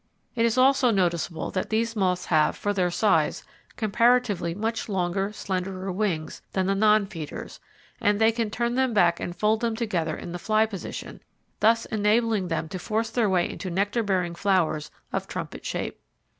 It is also noticeable that these moths have, for their size, comparatively much longer, slenderer wings than the non feeders, and they can turn them back and fold them together in the fly position, thus enabling them to force their way into nectar bearing flowers of trumpet shape.